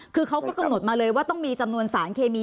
คือเขาก็กำหนดมาเลยว่าต้องมีจำนวนสารเคมี